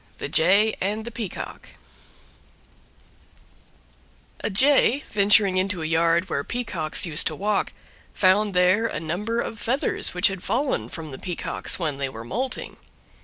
THE JAY AND THE PEACOCK A jay venturing into a yard where Peacocks used to walk, found there a number of feathers which had fallen from the Peacocks when they were moulting.